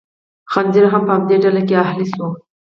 خنزیر هم په همدې ډله کې اهلي شو.